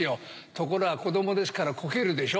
ところが子供ですからこけるでしょ。